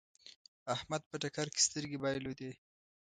احمد په ټکر کې سترګې بايلودې.